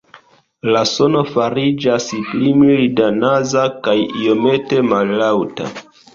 La sono fariĝas pli milda, "naza" kaj iomete mallaŭta.